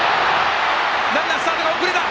ランナースタートが遅れた！